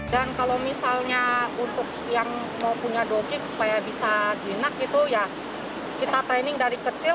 dan kalau misalnya untuk yang mau punya doking supaya bisa jinak itu ya kita training dari kecil